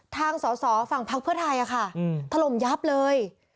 ทางสอสอฝั่งพักเพื่อไทยค่ะถล่มยับเลย